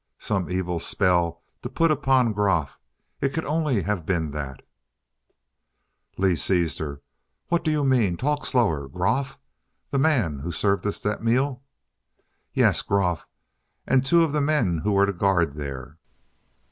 Some evil spell to put upon Groff it could only have been that " Lee seized her. "What do you mean? Talk slower. Groff? The man who served us that meal " "Yes, Groff. And two of the men who were to guard there.